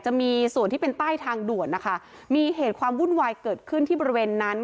จะมีส่วนที่เป็นใต้ทางด่วนนะคะมีเหตุความวุ่นวายเกิดขึ้นที่บริเวณนั้น